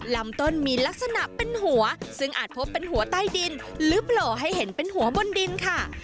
ลำต้นมีลักษณะเป็นหัวซึ่งอาจพบเป็นหัวใต้ดินหรือโผล่ให้เห็นเป็นหัวบนดินค่ะ